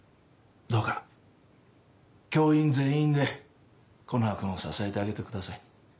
どうか教員全員で木の葉君を支えてあげてください。